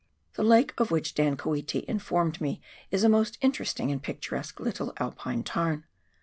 The lake of which Dan Koeti informed me is a most interest ing and picturesque little Alpine tarn.